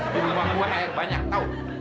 bila wang gue air banyak tahu